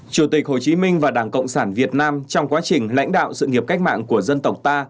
chủ tịch hồ chí minh và đảng cộng sản việt nam trong quá trình lãnh đạo sự nghiệp cách mạng của dân tộc ta